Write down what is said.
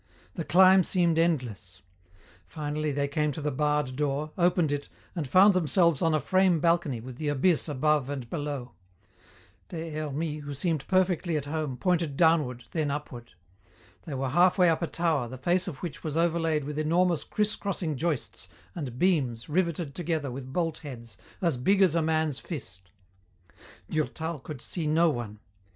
The climb seemed endless. Finally they came to the barred door, opened it, and found themselves on a frame balcony with the abyss above and below. Des Hermies, who seemed perfectly at home, pointed downward, then upward. They were halfway up a tower the face of which was overlaid with enormous criss crossing joists and beams riveted together with bolt heads as big as a man's fist. Durtal could see no one.